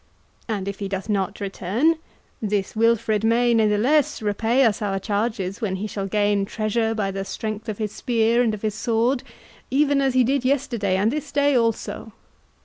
And if he doth not return, this Wilfred may natheless repay us our charges when he shall gain treasure by the strength of his spear and of his sword, even as he did yesterday and this day also.